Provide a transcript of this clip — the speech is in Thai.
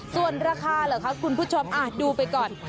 ส่วนราคาเหรอคะคุณผู้ชมดูไปก่อน